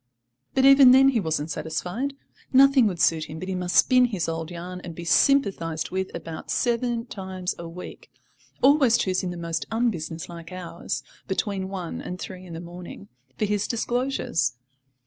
But even then he wasn't satisfied. Nothing would suit him but he must spin his old yarn, and be sympathised with about seven times a week, always choosing the most unbusinesslike hours (between one and three in the morning) for his disclosures.